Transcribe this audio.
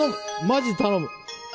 マジ頼む